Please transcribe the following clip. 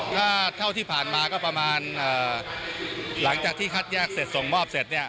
ถ้าเท่าที่ผ่านมาก็ประมาณหลังจากที่คัดแยกเสร็จส่งมอบเสร็จเนี่ย